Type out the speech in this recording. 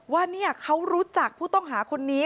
ว่าเขารู้จักผู้ต้องหาคนนี้